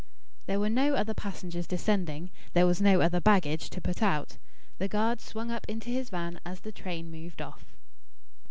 There were no other passengers descending; there was no other baggage to put out. The guard swung up into his van as the train moved off.